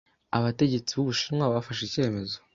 Abategetsi b'Ubushinwa bafashe icyemezo